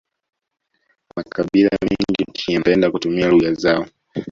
makabila mengi nchini yanapende kutumia lugha zao